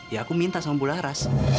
ya aku minta sama bularas